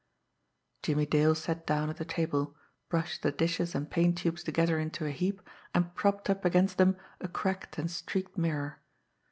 Jimmie Dale sat down at the table, brushed the dishes and paint tubes together into a heap, and propped up against them a cracked and streaked mirror.